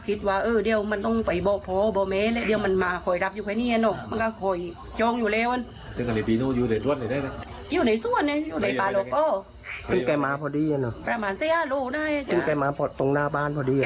แล้วไงมันตรงหน้าบ้านพอดี